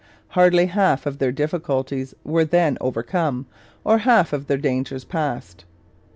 Hardly half of their difficulties were then overcome or half of their dangers passed.